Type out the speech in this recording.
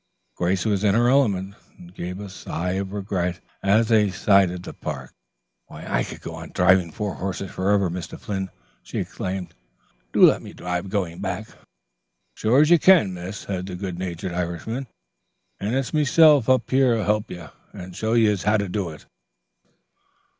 Grace was in her element and gave a sigh of regret as they sighted the park. "I could go on driving four horses forever, Mr. Flynn," she exclaimed. "Do let me drive going back?" "Sure yez can, miss," said the good natured Irishman, "and it's meself'll hellup yez, and show yez how to do it."